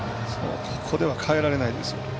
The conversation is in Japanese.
ここでは代えられないです。